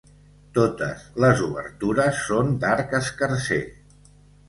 Totes les obertures són d'arc escarser.